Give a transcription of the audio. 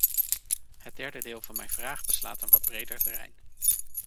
Het derde deel van mijn vraag beslaat een wat breder terrein.